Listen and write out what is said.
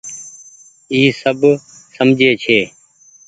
اي سب سجهي ڇي۔